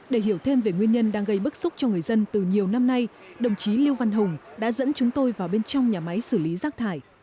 để hiểu thêm về nguyên nhân đang gây bức xúc cho người dân từ nhiều năm nay đồng chí lưu văn hùng đã dẫn chúng tôi vào bên trong nhà máy xử lý rác thải